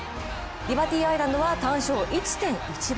リバティアイランドは単勝１．１倍。